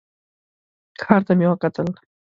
ښار ته مې وکتل.